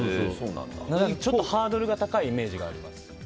ちょっとハードルが高いイメージがあります。